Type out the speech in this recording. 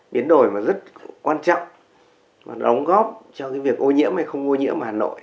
biến đổi mà rất quan trọng đóng góp cho việc ô nhiễm hay không ô nhiễm hà nội